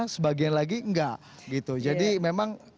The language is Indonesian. sebagian lagi enggak gitu jadi memang